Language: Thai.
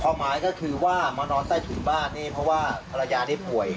หมายก็คือว่ามานอนใต้ถุนบ้านนี่เพราะว่าภรรยาได้ป่วย